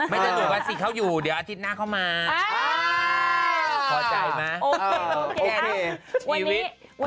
เพราะเสียใจไม่สนุกละ